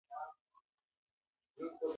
ښوونکي د ماشوم لارښود دي.